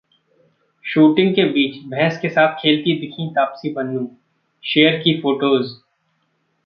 shooting के बीच भैंस के साथ खेलती दिखीं तापसी पन्नू, शेयर की फोटोज